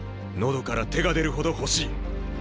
喉から手が出るほど欲しい！